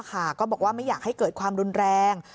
ก็บอกว่าไม่อยากให้เกิดความรุนแรง